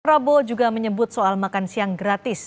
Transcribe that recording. prabowo juga menyebut soal makan siang gratis